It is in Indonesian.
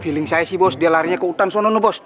feeling saya si bos dia larinya ke hutan sono nebos